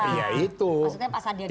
maksudnya pak sandiaga uno